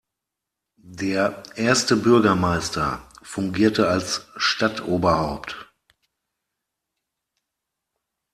Der "Erste Bürgermeister" fungierte als Stadtoberhaupt.